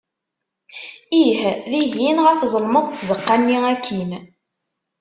Ih! dihin ɣef ẓelmeḍ n tzeqqa-nni akkin.